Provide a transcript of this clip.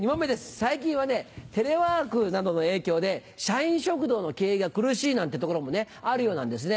最近はテレワークなどの影響で社員食堂の経営が苦しいなんてところもあるようなんですね。